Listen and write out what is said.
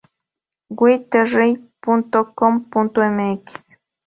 Web de riie.com.mx